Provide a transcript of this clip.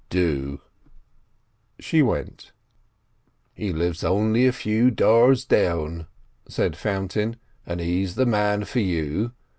"Do." She went. "He lives only a few doors down," said Fountain, "and he's the man for you.